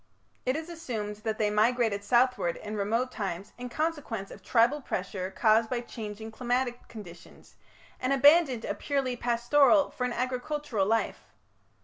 It is assumed that they migrated southward in remote times in consequence of tribal pressure caused by changing climatic conditions, and abandoned a purely pastoral for an agricultural life.